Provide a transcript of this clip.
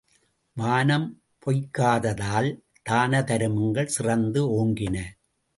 வானம் பொய்க்காததால் தான தருமங்கள் சிறந்து ஓங்கின.